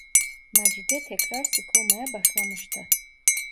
Macide tekrar sıkılmaya başlamıştı.